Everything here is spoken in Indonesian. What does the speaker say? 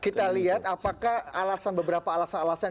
kita lihat apakah alasan